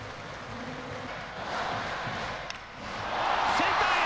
センターへ！